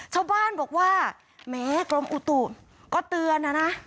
ชาวบ้านบอกว่าแม้กรมอุตุก็เตือนนะนะ